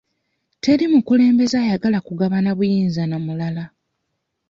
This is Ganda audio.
Teri mukulembeze ayagala kugabana buyinza na mulala.